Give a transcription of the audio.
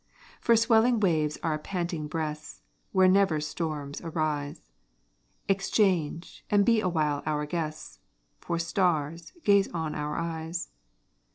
For swelling waves our panting breasts, Where never storms arise, Exchange, and be awhile our guests: For stars, gaze on our eyes.